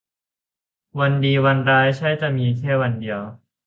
วันดีวันร้ายใช่จะมีแค่วันเดียว